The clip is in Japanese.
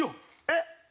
えっ！